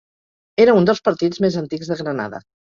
Era un dels partits més antics de Granada.